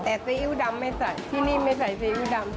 แต่ซีอิ๊วดำไม่ใส่ที่นี่ไม่ใส่ซีอิ๊วดำ